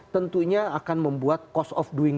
tentunya akan membuat cost of doing